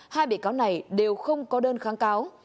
hai bị cáo này đều không có đơn kháng cáo